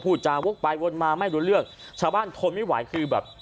จาวกไปวนมาไม่รู้เรื่องชาวบ้านทนไม่ไหวคือแบบ